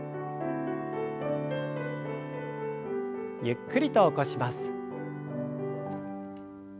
ゆっくりと起こします。